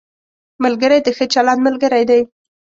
ملګری د ښه چلند ملګری دی